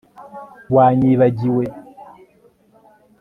Wanyibagiwe